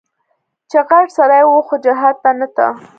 چې غټ سړى و خو جهاد ته نه ته.